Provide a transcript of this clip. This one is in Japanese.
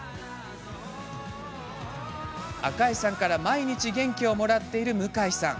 赤江さんから毎日元気をもらっている向井さん。